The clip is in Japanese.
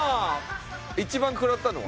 一番食らったのは？